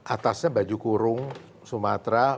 atasnya baju kurung sumatera